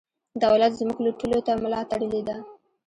دولت زموږ لوټلو ته ملا تړلې ده.